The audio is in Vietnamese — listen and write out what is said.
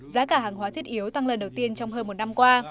giá cả hàng hóa thiết yếu tăng lần đầu tiên trong hơn một năm qua